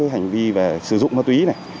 hành vi về sử dụng ma túy này